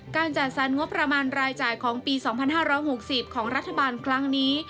การจัดสรรงบประมาณรายจ่ายของปี๒๕๖๐ของรัฐบาลครั้งนี้